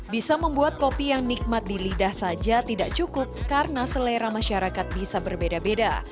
bisa membuat kopi yang nikmat di lidah saja tidak cukup karena selera masyarakat bisa berbeda beda